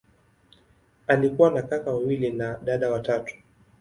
Alikuwa na kaka wawili na dada watatu.